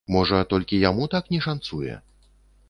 Можа, толькі яму так не шанцуе?